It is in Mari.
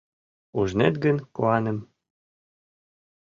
Ужнет гын куаным